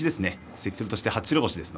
関取として初白星です。